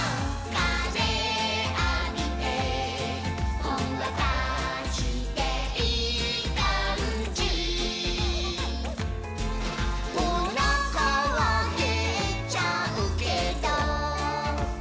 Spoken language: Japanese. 「かぜあびてほんわかしていいかんじ」「おなかはへっちゃうけど」